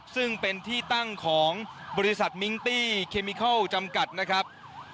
ซึ่งเป็นที่ตั้งของบริษัทมิงตี้เคมิเคิลจำกัดนะครับ